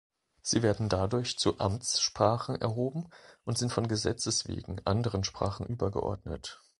Sie werden dadurch zu Amtssprachen erhoben und sind von Gesetzes wegen anderen Sprachen übergeordnet.